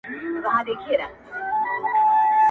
جهاني کله له ډیوو سره زلمي را وزي!.